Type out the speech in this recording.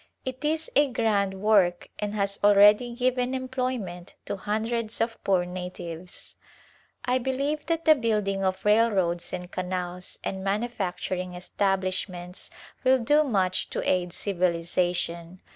It is a grand work and has already given employment to hundreds of poor natives. I believe that the building of railroads and canals and manufacturing establishments will do much to aid civilization.